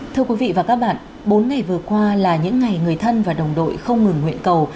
thưa quý vị và các bạn bốn ngày vừa qua là những ngày người thân và đồng đội không ngừng nguyện cầu